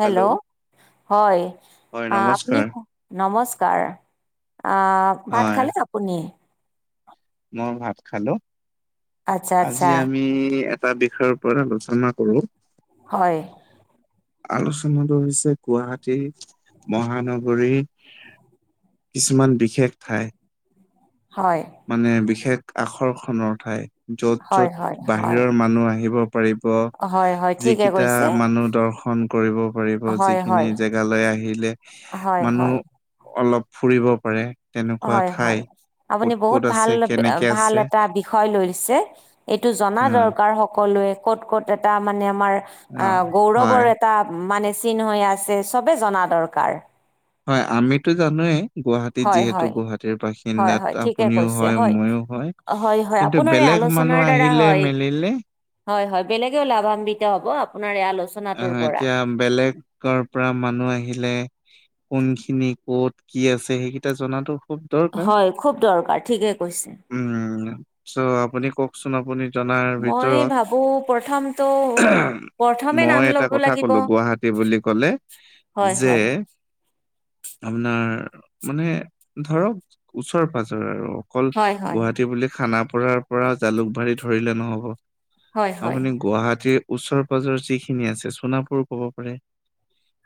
Hello, হয় হয় আপুনি নমস্কাৰ নমস্কাৰ। আহ ভাত হয় খালে আপুনি? ভাত খালো। আচ্ছা আচ্ছা আজি আমি টা বিষয়ৰ ওপৰত আলোচনা কৰো। হয় আলোচনাটো হৈছে গুৱাহাটী মহানগৰী কিছুমান বিশেষ ঠাই! হয়। মানে বিশেষ আকৰ্ষণৰ ঠাই য'ত হয় য'ত হয় হয় বাহিৰৰ মানুহ আহিব হয় হয় ঠিকে যিকেইটা কৈছে মানুহ দৰ্শন কৰিব পাৰিব হয় যিখিনি হয় জেগালৈ আহিলে হয় হয় মানুহ অলপ ফুৰিব পাৰে। তেনেকুৱা হয়, ঠাই হয় ক'ত আপুনি ক'ত বহুত ভাল আছে কেনেকে ভাল আছে এটা বিষয় লৈছে এইটো জনা অ দৰকাৰ সকলোৱে ক'ত ক'ত এটা মানে আমাৰ আ, অ হয় গৌৰৱৰ এটা মানে চিন হৈ আছে চবে জনা দৰকাৰ। হয়, আমিতো জানোৱেই। গুৱাহাটীত হয় যিহেতু হয় গুৱাহাটীৰ হয় হয় বাসিন্দাত ঠিকে আপুনিও কৈছে হয় ময়ো হয় হয় কিন্তু আপোনাৰ এই বেলেগ [unintelligible] আলোচনাৰ মানুহ দ্বাৰা আহিলে হয় মেলিলে। হয়, হয়, বেলেগেও লাভান্বিত হ'ব আপোনাৰ আলোচনাটোৰ অ', পৰা এতিয়া বেলেগৰ পৰা মানুহ আহিলে কোনখিনি কত কি আছে সেইকেইটা জনাতো খুব দৰকাৰ হয় খুব দৰকাৰ ঠিকে কৈছে উম, চ' আপুনি কওকচোন আপুনি জন মই ভাবো প্ৰথমটো প্ৰথম মই এটা কথা কলো গুৱাহাটী বুলি ক'লে হয় যে হয় আপোনাৰ মানে ধৰক ওচৰে পাজৰে আৰু। অকল হয় হয় গুৱাহাটী বুলি খানাপাৰাৰ পৰা জালুকবাৰী ধৰিলে নহ'ব। হয় হয় আপুনি গুৱাহাটীৰ ওচৰে পাজৰ যিখিনি আছে চোনাপুৰ ক'ব পাৰে।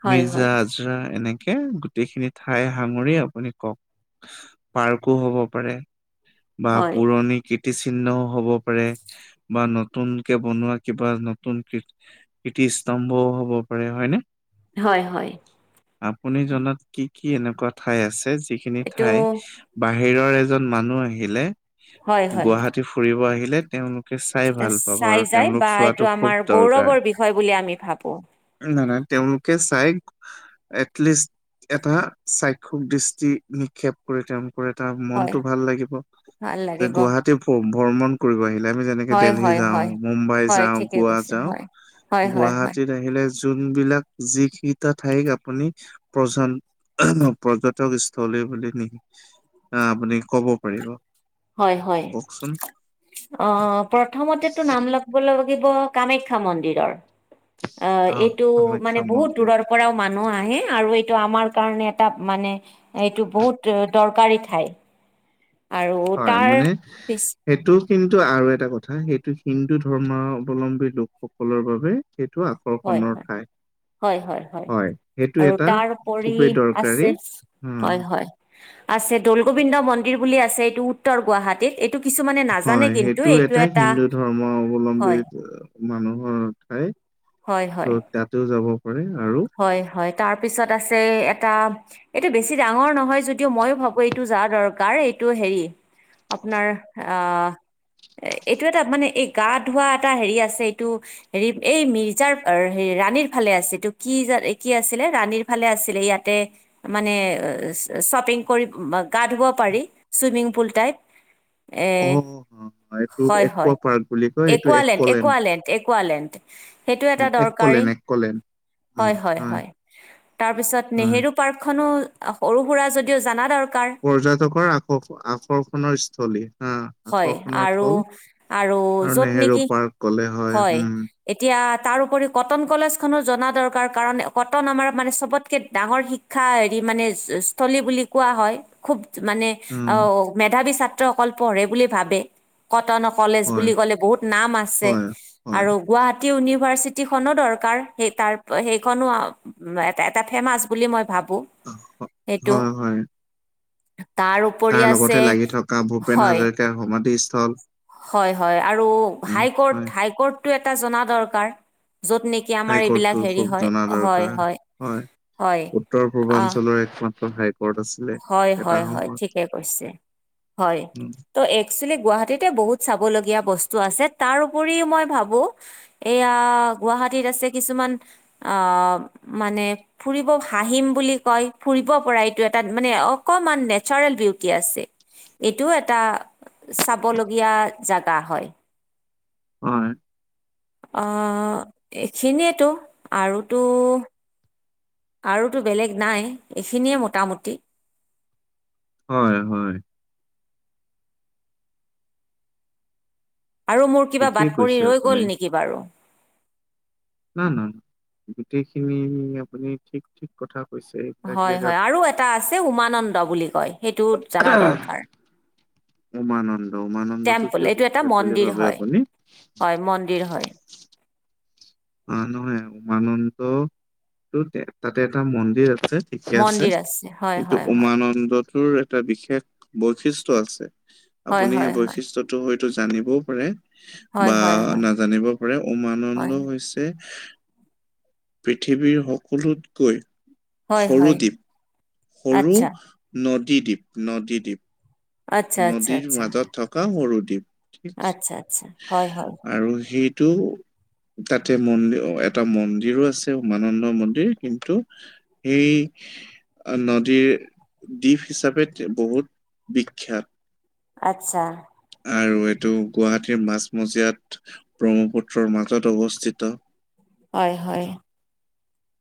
হয় হয় মিৰ্জা, আজৰা এনেকে। গোটেইখিনি ঠাই সাঙুৰি আপুনি কওঁক পাৰ্কো হ'ব পাৰে। বা হয় পুৰণি কীৰ্তিচিহ্নও হ'ব পাৰে বা নতুনকে বনোৱা কিবা নতুন কীৰটি স্তম্ভও হ'ব পাৰে হয় নে? হয়, হয়। আপুনি জনাত কি কি এনেকুৱা ঠাই আছে যিখিনি এইটো ঠাই বাহিৰৰ এজন মানু আহিলে হয় হয় গুৱাহাটী ফুৰিব আহিলে তেওঁ চাই যায় বা এইটো খুব আমাৰ দৰকাৰ। গৌৰৱৰ বিষয় বুলি আমি ভাবো। নাই নাই তেওঁলোকে চাই এটলিষ্ট এটা চাক্ষক দৃষ্টি নিক্ষেপ কৰি তেওঁলোক কৰে তাৰ হয় মনটো ভাল লাগিব, ভাল যে লাগিব গুৱাহাটী ভ্ৰমণ কৰিব আহিলে। আমি যেনেকৈ হয় দেলহী হয় যাওঁ, হয় মুম্বাই হয় যাওঁ, ঠিকে গোৱা কৈছে যাওঁ, হয় হয় হয় হয় গুৱাহাটীত আহিলে যোনবিলাক যি কেইটা ঠাইক আপুনি প্ৰ পৰ্যটক স্থলী বুলি নি আপুনি কব পাৰিব হয় হয় কওকচোন অ', প্ৰথমতেতো নাম লিব লাগিব কামাখ্যা মন্দিৰৰ। অ', আহ এইটো কামাখ্যা মানে বহুত মন্দিৰ দূৰৰ পৰাও মানুহ আহে আৰু এই এইটো আমাৰ কাৰণে এটা মানে এইটো বহুত দৰকাৰী ঠাই। আৰু হয় তাৰ মানে পিছ সেইটো কিন্তু আৰু এটা কথা সেইটো হিন্দু ধৰ্ম অৱলম্বী লোকসকলৰ বাবে সেইটো হয়, আকৰ্ষণৰ হয়, ঠাই। হয়, হয়, হয়, সেইটো আৰু এটা তাৰপৰি খুবেই দৰকাৰী আছে উম, হয়, হয় আছে দল গোবিন্দ মন্দিৰ বুলি আছে এইটো উত্তৰ গুৱাহাটীত এইটো কিছুমানে নাজানে হয়, কিন্তু সেইটো এইটো এটাই এটা হিন্দু ধৰ্ম অৱলম্বী হয়, মানুহৰ ঠাই হয়, হয়। চ' তাতেও যাব পাৰে আৰু তাৰ পিছত আছে এটা এইটো বেছি ডাঙৰ নহয় যদিও ময়ো ভাবো এইটো যাৰ দৰকাৰ এই এইটো হেৰি আপোনাৰ আ এ এইটো এটা মানে এই গা ধোৱা এটা হেৰি আছে এইটো হেৰি এই মিৰ্জাৰ হেৰি ৰাণীৰ ফালে আছে এইটো কি কি আছিলে ৰাণীৰ ফালে আছিলে ইয়াতে মানে শ্বপিং কৰি গা ধুব পাৰি চুইমিং পুল টাইপ। এ অ', এইটো হয় হয় একোৱা পাৰ্ক বুলি কয় এইটো একুৱালেণ্ড একুৱালেণ্ড একুৱালেণ্ড সেইটো এটা একলেণ্ড একলে দৰকাৰী নেকলেণ্ড। হয়, হয়, হয়, তাৰপিছত হয়। নেহেৰু পাৰ্কখননো সৰু সুৰা যদিও জানা দৰ পৰ্যটকৰ আ, আকৰ্ষণৰ স্থলী হয়, আকৰ্ষণৰ আৰু থল আৰু য'ত নেহেৰু নেকি পাৰ্ক ক'লে হয়, উম, এতিয়া তাৰ উপৰি কটন কলেজ খনো জনা দৰকাৰ কাৰণ কটন আমাৰ মানে চবতকে ডাঙৰ শিক্ষা হেৰি মানে স্থলী বুলি কোৱা হয়, খুব মানে উম, অ' মেধাৱী ছাত্ৰসকল পঢ়ে বুলি ভাবে, কট কটন কলেজ হয়, বুলি ক'লে বহুত নাম আছে, হয়, হয়, আৰু গুৱাহাটী গুৱাহাটী ইউনিভাৰ্চিটিখনো দৰকাৰ। সেই তাৰ সেইখনো এটা ফেমাচ বুলি মই ভাবো। এইটো। হয়, হয়। তাৰ লগতে লাগি থকা ভূপেন হয় হাজৰিকাৰ সমাধিস্থল। হয়, হয়, আৰু উম, হাই কৰ্ট হয়। হাই কৰ্টটো এটা জনা দৰকাৰ। যত নেকি আমাৰ এইবিলাক হাইকৰ্টটো হেৰি খুব হয়, জনা হয়, দৰকাৰ। হয়। হয় উত্তৰ আহ পূৰ্বাঞ্চলৰ এক ম হয়, হয়, হয়, ঠিকে কৈছে। হয়, উম, ত' একচুৱেলি গুৱাহাটীতে বহুত চাবলগীয়া বস্তু আছ তাৰ উপৰিও মই ভাবো, এইয়া গুৱাহাটীত আছে কিছুমান অ', মানে ফুৰিব হাঁহিম বুলি কয় ফুৰিব পৰা এইটো তাত মানে অকমান নেচাৰেল বিউটি আছে। এইটোও এটা চাবলগীয়া জাগা হয়। হয়। আহ এইখিনিয়েতো আৰু তো আৰু তো বেলেগ নাই এইখিনিয়ে মোটামুটি। হয়, হয়। আৰু মোৰ কিবা ঠিকেই বাট পৰি কৈছে ৰৈ আপুনি গ'ল নেকি বাৰু। না, ন, ন, গোটেইখিনি আপুনি ঠিক ঠিক কথা কৈছে এইবিলাক হয়, জেগাত হয়, আৰু এটা আছে উমানন্দ বুলি কয়, সেইটো জনা দৰকাৰ। উমানন্দ, উমানন্দটো টেম্পল কিয় এইটো এটা বিখ্যাত বুলি মন্দিৰ ভাবে হয়, আপুনি? হয়, মন্দিৰ হয়। অ' নহয় উমানন্দ টো তাতে এটা মন্দিৰ আছে। ঠিকে আছে, মন্দিৰ হয় কিন্তু, হয় উমানন্দটোৰ এটা বিশেষ বৈ বৈশিষ্ট্যৰ আছে, হয় আপুনি সেই হয় হয় বৈশিষ্ট্যটো হয়তো জানিবও পাৰে। হয় বা হয় হয় নাজানিব পাৰে, উমানন্দ হয় হৈছে। পৃথিৱীৰ সকলোতকৈ হয়, সৰু হয়। দ্বীপ সৰু আচ্ছা নদীদ্বীপ, নদীদ্বীপ। আচ্ছা আচ্ছা নদীৰ আচ্ছা মাজত থকা সৰু ঠিক আচ্ছা আচ্ছা হয় হয় আৰু সেইটো। তাতে মন্দিৰ এটা মন্দিৰো আছে, উমানন্দ মন্দিৰ কিন্তু, সেই নদীৰ দ্বীপ হিচাপে বহুত বিখ্যাত। আচ্ছা। আৰু এইটো গুৱাহাটীৰ মাজমজিয়াত ব্ৰহ্মপুত্ৰৰ মাজত অৱস্থিত। হয়, হয়।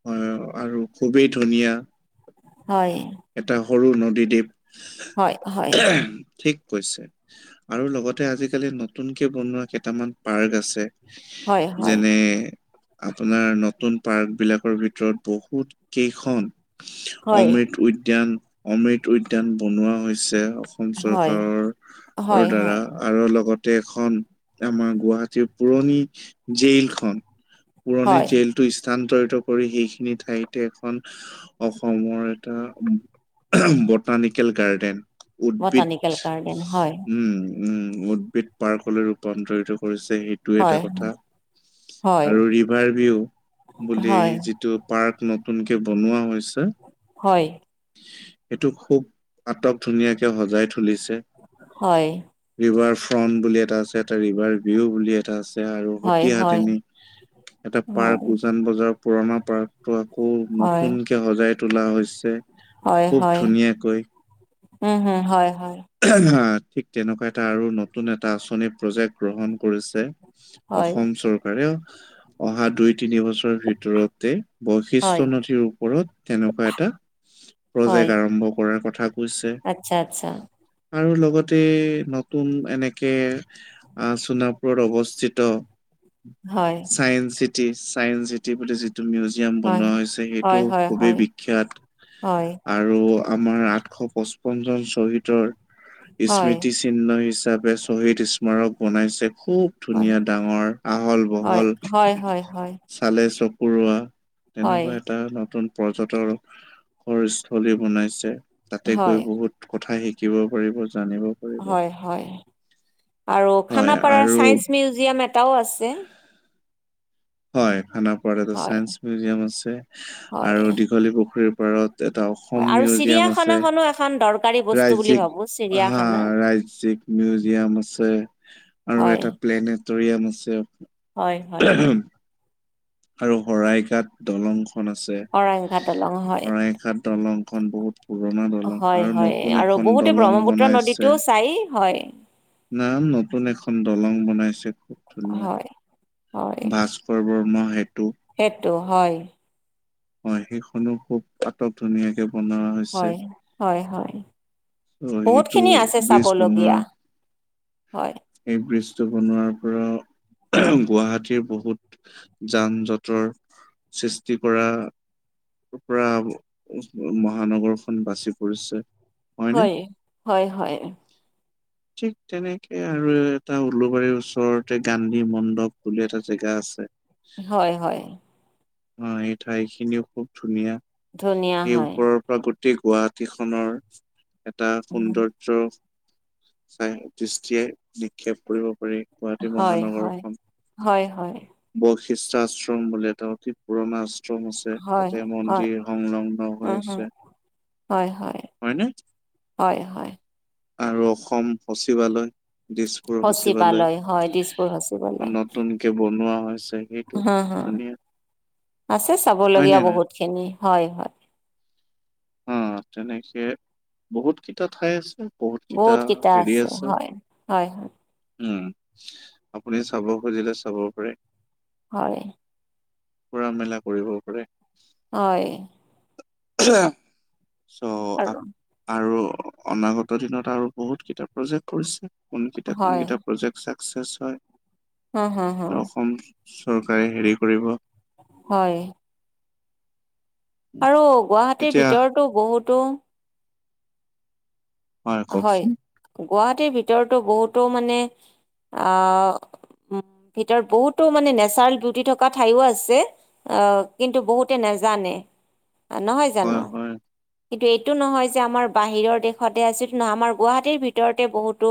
হয়, আৰু খুবেই ধুনীয়া। হয়। এটা সৰু নদীদ্বীপ। হয়, হয়। হৈছে আৰু লগতে আজিকালি নতুনকে বনোৱা কেইটামান পাৰ্ক আছে। হয় হয় যেনে আপোনাৰ নতুন পাৰ্ক বিলাক অসমৰ ভিতৰত বহুত কেইখন হয় অমৃত উদ্যান। অমৃত উদ্যান বনোৱা হৈছে। অসম হয় চৰকাৰৰ হয় হয় দ্বাৰা আৰু লগত। দেশখন আমাৰ গুৱাহাটীৰ পুৰণি। জেইলখনন পুৰণি হয় জেইল টো স্থানান্তৰিত। কৰি সেইখিনি ঠাইতে এখন অসমৰ এটা। বটানিকেল গাৰ্ডেন, উদ্ভিদ বটানিকেল গাৰ্ডেন হয় উম উম, উদ্ভিদ পাৰ্কলৈ ৰূপান্তৰিত কৰিছে। সিটো এটা হয় কথা, হয় আৰু ৰিভাৰ ভিউ বুলি হয় যিটো পাৰ্ক নতুনকে বনোৱা হৈছে হয় সেইটো খুব আটক ধুনীয়াকে সজাঁই তুলিছে, হয় ৰিভাৰ ফ ফ্ৰণ্ট বুলি এটা আছে, এটা ৰিভাৰ ভিউ বুলি এটা আছে। এয়া আৰু হয় হয় সতিসাধিনি, এটা হয় পাৰ্ক উজান বজাৰৰ পুৰণা পাৰ্ক টো আকৌ হয়, নতুনকে সজাই তোলা হৈছে হয়, খুব হয়, ধুনীয়াকৈ। উম, হু হয়। হ ঠিক তেনেকুৱা এটা আৰু নতুন এটা আঁচনি প্ৰজেক্ট গ্ৰহণ কৰিছে। হয়, অসম চৰকাৰে অহা দুই তিনি বছৰ ভিতৰতে। হয়, বৈশিষ্ট্যৰ নথিৰ ওপৰত তেনেকুৱা এটা হয়, প্ৰজেক্ট আৰম্ভ কৰাৰ কথা। কৈছে আচ্ছা, আচ্ছা। আৰু লগতে নতুন এনেকে আহ চোনাপুৰত অৱস্থিত। হয়, চায়েন্স চিটি চায়েন্স চিটি বুলি যি টো মিউজিয়াম হয়, বনোৱা হৈছে সেইটো হয়, হয়, খুবেই হয়, বিখ্যাত হয়, আৰু। আমাৰ আঠশ পচপন্ন জন শ্বহীদৰ হয়, স্মৃতিচিহ্নি হিচাপে শ্বহীদ স্মাৰক বনাইছে খুব হয়, ধুনীয়া ডাঙৰ আহল হয়, বহল হয়, হয়, হয়, চালে চকুৰোৱা হয়, তেনেকুৱা এটা নতুন পৰ্যটকৰস্থলী বনাইছে তাতে হয়, গৈ বহুত কথা শিকিব পাৰিব জানিব পাৰিব হয় হয়। আৰু হয় খানাপাৰাৰ আৰু চাইন্স মিউজিয়াম এটাও আছে। হয় খানাপাৰাত এটা হয়, চাইন্স মিউজিয়াম আছে, হয়, আৰু দীঘলী পুখুৰীৰ পাৰত এটা অসম হয় আৰু মিউজিয়াম আছে চিৰিয়াখানাখনো এখন দৰকাৰী বস্তু বুলি ৰাজ্যিক ভাবো। হা, চিৰিয়াখানা, ৰাজ্যিক মিউজিয়াম আছে, হয়, আৰুএটা প্লেনেট টৰীয়াম আছে। হয় হয়। আৰু শৰাইঘাত দলংখ আছে, অৰাংঘা দলং হয়, শৰাইঘাট দলংখন বহুত পুৰণা দলং, হয়, আৰু হয়, নতুন আৰু এখন বহুতে দলং ব্ৰহ্মপুত্ৰ বনাইছে নদীতো চাই হয় নাম নতুন এখন দলং বনাইছে খুব ধুনীয়া, হয়। হয় ভাস্কৰ বৰ্মা সেতুঁ। টো হয় হয়, সেইখনো খুব আটক ধুনীয়াকে বনোৱা হয়, হয় হয়। অ', বহুত সেইটো খিনি আছে ব্ৰীজ খনৰ, চাবলগীয়া হয় এই ব্ৰীজ বষ্ট বনোৱাৰ পৰা গুৱাহাটীৰ বহুত যান জঁটৰ সৃষ্টি কৰা পৰা মহানগৰখন বাচি পৰিছে। হয়নে হয়, হয় হয়। ঠিক তেনেকে আৰু এটা উলবাৰীৰ ওচৰতে গান্ধী মণ্ডপ বুলি এটা জেগা আছে হয় হয়। অ', এই ঠাই খিনিও খুব ধুনীয়া, ধুনীয়া এই হয় ওপৰৰ পৰা গ গোটেই গুৱাহাটীখনৰ এটা উম, সৌন্দৰ্য চাই দৃষ্টি নিক্ষেপ কৰিব পাৰি গুৱাহাটী হয় হয় মহানগৰখন হয় হয় বৈশিষ্ট আশ্ৰম বুলে এটা অতি পুৰণা আশ্ৰম আছে, হয় তাতে হয় মন্দিৰ সংলগ্ন হৈ উম হম আছে হয়, হয়, হয়নে? হয়, হয়। আৰু অসম সচিবালয় দিছপুৰ সচিবালয়, হয় দিছপুৰ সচিবালয় নতুনকে বনোৱা হৈছে সেইটো হা, হা ধুনীয়া আছে হয় চাবলগীয়া নে নাই? বহুত খিনি। হয়, হয়। অ', তেনেকে বহুত কেইটা ঠাই আছে। বহুত কেইটা আছে, হয়, হয়, হয়। উম', আপুনি চাব খুজিলে চাব পাৰে। হয়। ফুৰা মেলা কৰিব পাৰে। হয়। চ' আৰু আৰু অনাগত দিনত আৰু বহুত কেইটা প্ৰজেক্ট কৰিছে কোন কেইটা কোন কেইটা প্ৰজেক্ট এক্সেছ হয় হম, হা, হা। ত' অসম চৰকাৰে হেৰি কৰিব হয়। আৰু গুৱাহাটীৰ এতিয়া ভিতৰতো বহুতো হয় কওকচোন। গুৱাহাটীৰ ভিতৰতো বহুতো মানে আহ উম', ভিতৰত বহুতো মানে নেচাৰেল বিউটি থকা ঠাইও আছে, অ', কিন্তু বহুতে জানে। [inaudible] নহয় হয় জানো? হয় কিন্তু এইটো নহয় যে আমাৰ বাহিৰৰ দেশতে আছে নহয়, আমাৰ গুৱাহাটীৰ ভিতৰতে বহুতো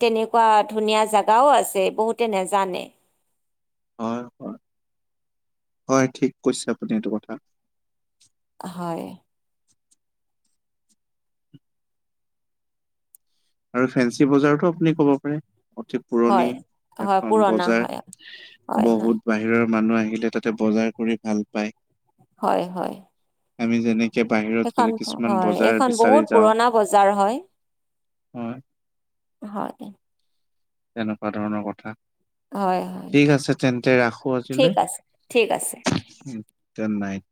তেনেকুৱা ধুনীয়া জেগাও আছে বহুতে নাজানে। [inaudible] হয়-হয় ঠিক কৈছে‌, আপুনি এইটো কথা। হয়। আৰু ফেঞ্চি বজাৰতো আপুনি ক'ব পাৰে। অতি পুৰণি হয় হয় এখন পুৰণা বজাৰ হয় হয় হয় বহুত বাহিৰৰ মানুহ আহিলে তাতে বজাৰ কৰি ভাল পায়। হয়, হয়। আমি যেনে এইখন-হয় এইখন বহুত যাওঁ পুৰণা বজাৰ হয়। হয় হয়। তেনেকুৱা ধৰণৰ কথা। হয় হয় ঠিক আছে তেন্তে, ৰাখো ঠিক আছে ঠিক আছে আজিলৈ উম'। চেন্নাই।